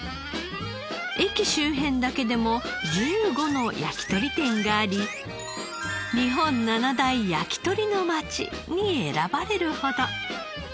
駅周辺だけでも１５の焼き鳥店があり「日本７大焼き鳥の町」に選ばれるほど。